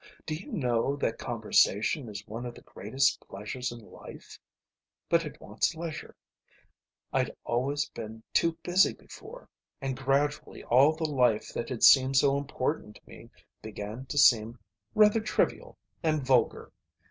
Do you know that conversation is one of the greatest pleasures in life? But it wants leisure. I'd always been too busy before. And gradually all the life that had seemed so important to me began to seem rather trivial and vulgar.